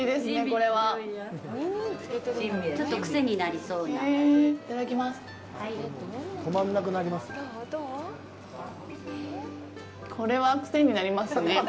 これはクセになりますね！